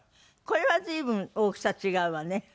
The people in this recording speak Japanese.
これは随分大きさ違うわね。